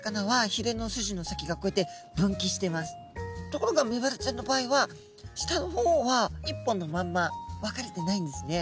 ところがメバルちゃんの場合は下の方は一本のまんま分かれてないんですね。